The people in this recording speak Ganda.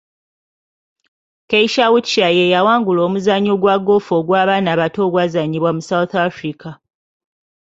Keisha Witshire ye yawangula omuzannyo gwa goofu ogw'abaana abato ogwazannyibwa mu South Africa.